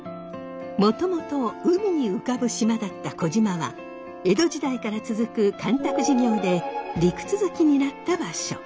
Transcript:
もともと海に浮かぶ島だった児島は江戸時代から続く干拓事業で陸続きになった場所。